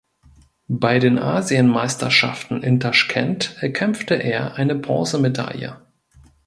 Bei den Asienmeisterschaften in Taschkent erkämpfte er eine Bronzemedaille.